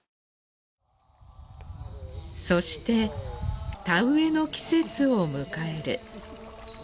そして田植えの季節を迎える。